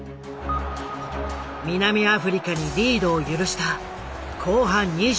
南アフリカにリードを許した後半２８分。